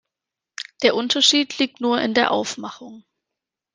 Der Unterschied liegt nur in der Aufmachung.